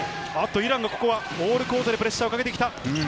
イランがボールコートでプレッシャーをかけてきた！